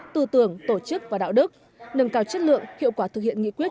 tư tưởng tổ chức và đạo đức nâng cao chất lượng hiệu quả thực hiện nghị quyết